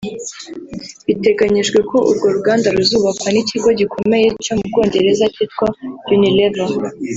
Biteganyijwe ko urwo ruganda ruzubakwa n’ikigo gikomeye cyo mu Bwongereza cyitwa Unilever